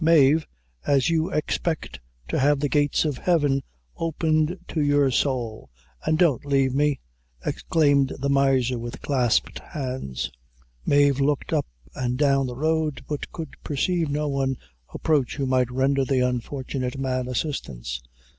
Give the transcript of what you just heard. "Mave, as you expect to have the gates of Heaven opened to your sowl, an' don't lave me," exclaimed the miser with clasped hands. Mave looked up and down the road, but could perceive no one approach who might render the unfortunate man assistance.